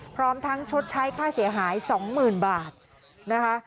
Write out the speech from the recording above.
พร้อมทั้งชดใช้ค่าเสียหาย๒๐๐๐บาทนะคะ